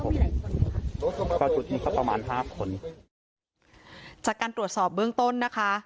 ก็จุดนี้ก็ประมาณห้าคนจากการตรวจสอบเบื้องต้นนะคะ